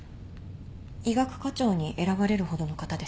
医学科長に選ばれるほどの方です。